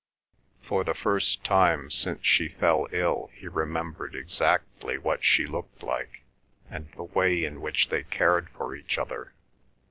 For the first time since she fell ill he remembered exactly what she looked like and the way in which they cared for each other.